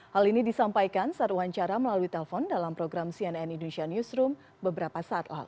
hal ini disampaikan saat wawancara melalui telepon dalam program cnn indonesia newsroom beberapa saat lalu